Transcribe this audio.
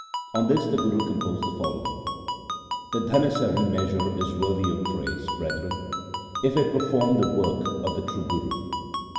On this the Guru composed the following :— The Dhanasari measure is worthy of praise, brethren, if it perform the work of the True Guru.